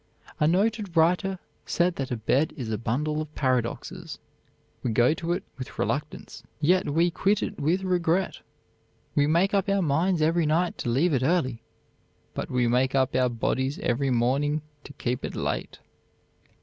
A noted writer says that a bed is a bundle of paradoxes. We go to it with reluctance, yet we quit it with regret. We make up our minds every night to leave it early, but we make up our bodies every morning to keep it late.